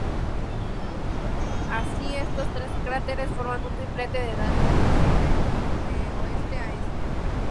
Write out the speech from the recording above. Así, estos tres cráteres forman un triplete de edad decreciente de oeste a este.